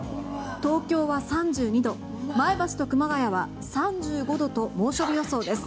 東京は３２度前橋と熊谷は３５度と猛暑日予想です。